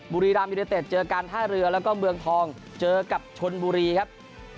บุรีรามยูเนเต็ดเจอการท่าเรือแล้วก็เมืองทองเจอกับชนบุรีครับ